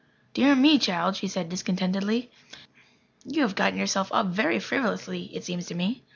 "Dear me, child," she said discontentedly, "you have gotten yourself up very frivolously, it seems to me."